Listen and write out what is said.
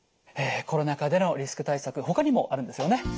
コロナ禍でのリスク対策ほかにもあるんですよね。